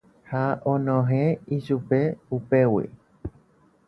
Ha onohẽ ichupe upégui.